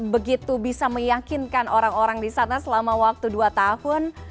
begitu bisa meyakinkan orang orang di sana selama waktu dua tahun